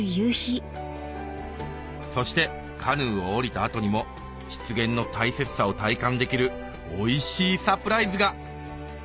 そしてカヌーを降りた後にも湿原の大切さを体感できるおいしいサプライズが！